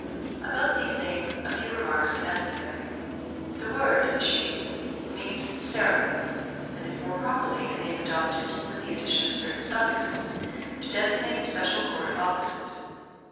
About these names a few remarks are necessary. The word "Shikib" means "ceremonies," and is more properly a name adopted, with the addition of certain suffixes, to designate special Court offices.